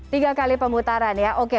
tiga kali pemutaran ya oke